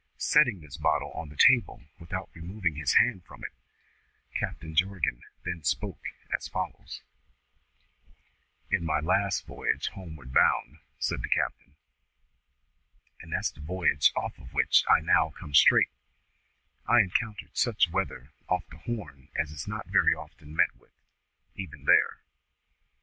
Setting this bottle on the table without removing his hand from it, Captain Jorgan then spake as follows: "In my last voyage homeward bound," said the captain, "and that's the voyage off of which I now come straight, I encountered such weather off the Horn as is not very often met with, even there.